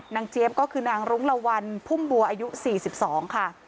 เจี๊ยบก็คือนางรุ้งละวันพุ่มบัวอายุ๔๒ค่ะ